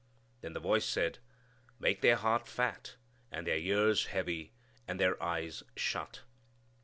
Then the voice said, "Make their heart fat, and their ears heavy, and their eyes shut."